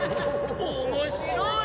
面白い！